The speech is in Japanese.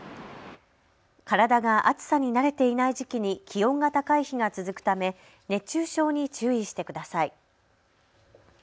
体が暑さに慣れていない時期に気温が高い日が続くため熱中症に注意してください。